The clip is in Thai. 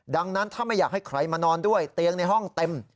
ดังนั้นถ้าไม่อยากให้ใครมานอนด้วยเตียงในห้องเต็ม